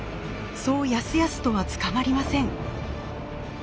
そうやすやすとは捕まりません。